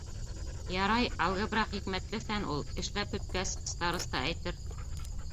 - Ярай, алгебра хикмәтле фән ул. Эшләп бөткәс, староста әйтер.